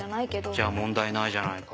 じゃ問題ないじゃないか。